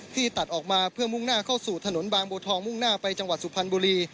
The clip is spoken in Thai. ที่ตัดออกมาเพื่อมุ่งหน้าเข้าสู่ถนนบางบัวทองมุ่งหน้าไปจังหวัดสุพรรณบุรี